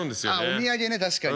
お土産ね確かに。